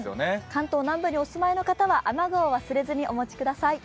関東南部にお住まいの方は雨具を忘れずにお持ちください。